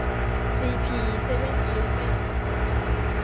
ซีพี เซเว่นอีเลฟเว่น